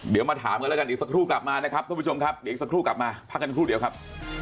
เดี๋ยวมาถามกันแล้วกันอีกสักครู่กลับมานะครับท่านผู้ชมครับเดี๋ยวอีกสักครู่กลับมาพักกันครู่เดียวครับ